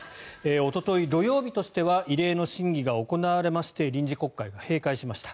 おととい、土曜日としては異例の審議が行われまして臨時国会が閉会しました。